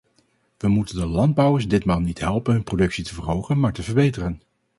We moeten de landbouwers ditmaal niet helpen hun productie te verhogen, maar te verbeteren.